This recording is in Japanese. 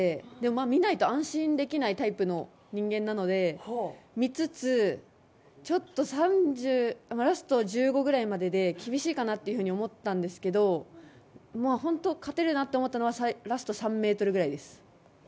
見ないと安心できないタイプの人間なので見つつ、ちょっとラスト１５くらいまでで厳しいかなっていうふうに思ってたんですけど本当勝てるなと思ったのはラスト３ｍぐらいです。